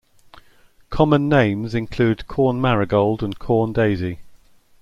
Common names include corn marigold and corn daisy.